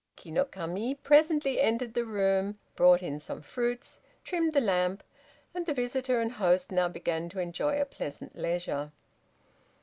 Ki no Kami presently entered the room, brought in some fruits, trimmed the lamp, and the visitor and host now began to enjoy a pleasant leisure.